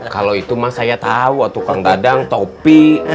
kalo itu mah saya tau tukang dadang topik